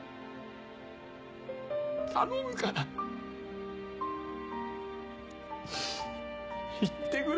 頼むから言ってくれ。